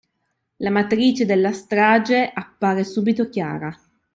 La matrice della strage appare subito chiara.